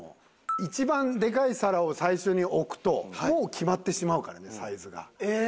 一番でかい皿を最初に置くともう決まってしまうからねサイズが。え！